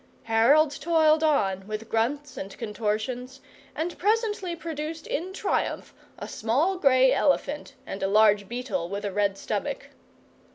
Harold toiled on with grunts and contortions, and presently produced in triumph a small grey elephant and a large beetle with a red stomach.